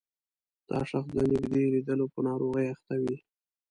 دا شخص د نږدې لیدلو په ناروغۍ اخته وي.